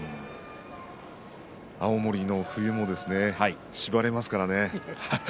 青森の冬もしばれますからね。